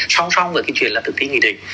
song song với cái chuyện là thực thi nghị định